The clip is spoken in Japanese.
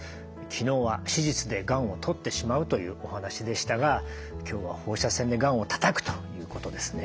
昨日は手術でがんを取ってしまうというお話でしたが今日は放射線でがんをたたくということですね。